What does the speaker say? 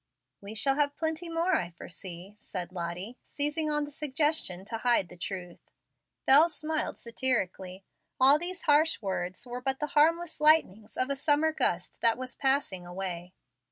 "We shall have plenty more, I foresee," said Lottie, seizing on the suggestion to hide the truth. Bel smiled satirically. All these harsh words were but the harmless lightnings of a summer gust that was passing away.